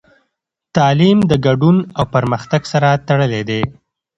تعلیم د ګډون او پرمختګ سره تړلی دی.